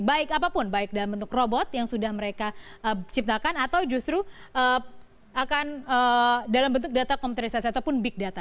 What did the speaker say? baik apapun baik dalam bentuk robot yang sudah mereka ciptakan atau justru akan dalam bentuk data komputerisasi ataupun big data